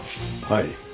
はい